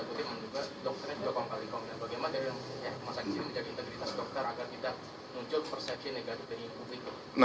agar tidak muncul persepsi negatif dari publik